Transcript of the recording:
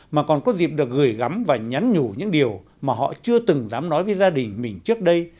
mà còn có dịp được gửi gắm và nhắn nhủ những điều mà họ chưa từng dám nói với gia đình mình trước đây